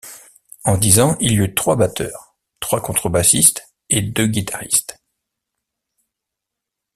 En dix ans, il y eut trois batteurs, trois contrebassistes et deux guitaristes.